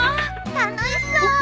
楽しそう。